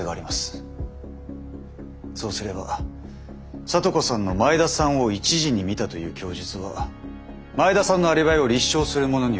そうすれば咲都子さんの前田さんを１時に見たという供述は前田さんのアリバイを立証するものにはならない。